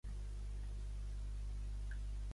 Cresaptown es troba al sud-oest de Cumberland, Maryland.